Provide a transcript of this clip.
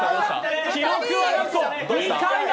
記録はなんと、２回だ！